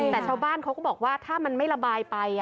แต่ชาวบ้านเขาก็บอกว่าถ้ามันไม่ระบายไป